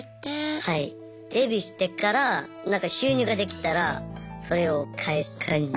デビューしてから収入ができたらそれを返す感じです。